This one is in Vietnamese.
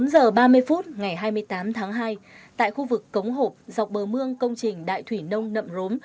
một mươi bốn giờ ba mươi phút ngày hai mươi tám tháng hai tại khu vực cống hộp dọc bờ mương công trình đại thủy nông nậm rốm